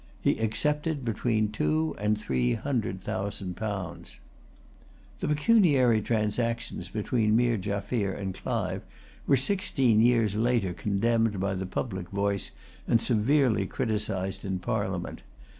He accepted between two and three hundred thousand pounds. The pecuniary transactions between Meer Jaffier and Clive were sixteen years later condemned by the public voice, and severely criticised in Parliament.